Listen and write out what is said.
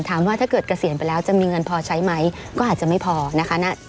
ถ้าเกิดเกษียณไปแล้วจะมีเงินพอใช้ไหมก็อาจจะไม่พอนะคะ